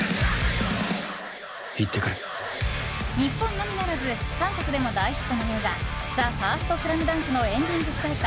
日本のみならず韓国でも大ヒットの映画「ＴＨＥＦＩＲＳＴＳＬＡＭＤＵＮＫ」のエンディング主題歌